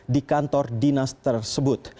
di kantor dinas tersebut